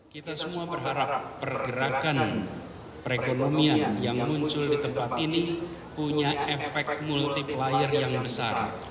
kita semua berharap pergerakan perekonomian yang muncul di tempat ini punya efek multiplier yang besar